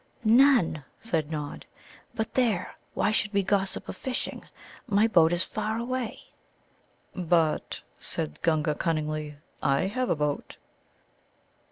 "None," said Nod. "But there, why should we be gossiping of fishing? My boat is far away." "But," said the Gunga cunningly, "I have a boat."